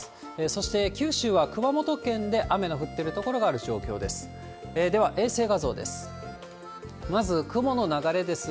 そして九州は熊本県で雨の降ってる所がある状況です。